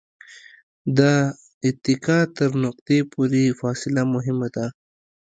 د اتکا تر نقطې پورې فاصله مهمه ده.